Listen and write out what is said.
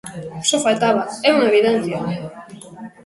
Só faltaba, é unha evidencia.